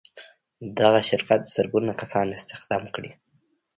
دغه شرکت زرګونه کسان استخدام کړل